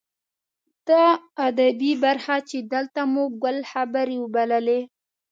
دا ادبي برخه چې دلته مو ګل خبرې وبللې.